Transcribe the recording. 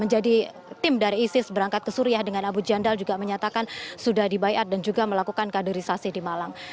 menjadi tim dari isis berangkat ke suriah dengan abu jandal juga menyatakan sudah dibayar dan juga melakukan kaderisasi di malang